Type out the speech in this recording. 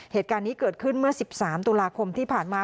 เหตุการณ์นี้เกิดขึ้นเมื่อ๑๓ตุลาคมที่ผ่านมา